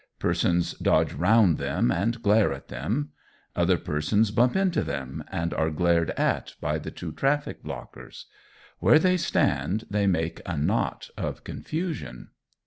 Persons dodge round them and glare at them. Other persons bump into them, and are glared at by the two traffic blockers. Where they stand they make a knot of confusion.